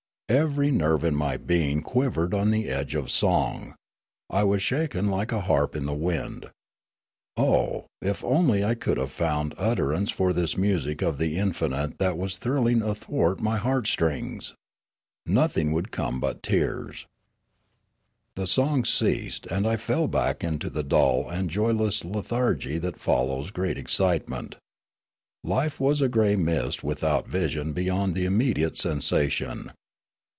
Every nerve in my being quivered on the edge of song; I was shaken like a harp in the wind. Oh, if only I could have found utterance for this music of the infinite that was thrilling athwart my heartstrings ! Nothing would come but tears. The song ceased, and I fell back into the dull and joyless lethargy that follows great excitement. lyife was a grey mist without vision beyond the immediate sensation.